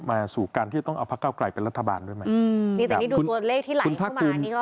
มาสู่การที่จะต้องเอาภาค๙ไกลเป็นรัฐบาลด้วยไหม